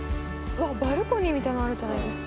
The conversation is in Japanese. バルコニーみたいなのあるじゃないですか。